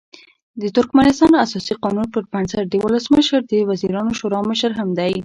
د ترکمنستان اساسي قانون پر بنسټ ولسمشر د وزیرانو شورا مشر هم دی.